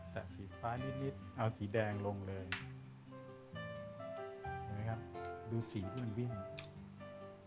แต่สีฟ้านิดเอาสีแดงลงเลยดูสีมันวิ่ง